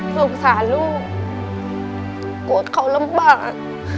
สงสารลูกโกรธเขาลำบาก